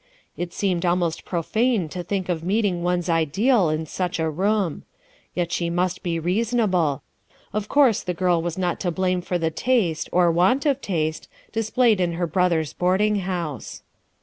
It seemed almost profane to think of meeting one's ideal in such a room. Yet she must be reasonable ; of course the girl was not to blame for the taste, or want of taste, displayed in her brother's boarding house.